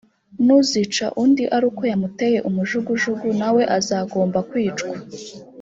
n’uzica undi ari uko yamuteye umujugujugu; na we azagomba kwicwa.